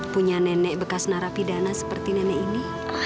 punya nenek bekas narapidana seperti nenek ini